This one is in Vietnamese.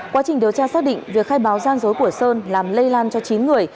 quá trình điều tra xác định việc khai báo gian dối của sơn làm lây lan cho chín người